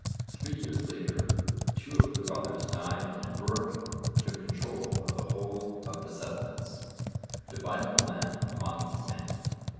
Three years later two of the brothers died and Rurik took control of the whole of the settlements, dividing the land among his men.